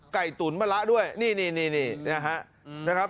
ไก่ตุ๋นมะละด้วยนี่นี่นะครับ